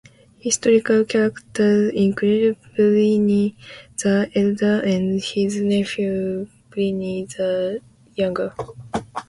Historical characters include Pliny the Elder and his nephew Pliny the Younger.